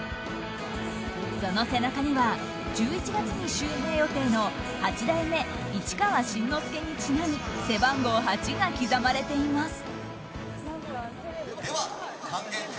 その背中には１１月に襲名予定の八代目市川新之助にちなみ背番号８が刻まれています。